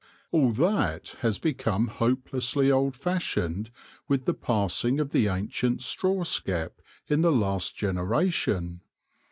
All that has become hopelessly old fashioned with the passing of the ancient straw skep in the last generation.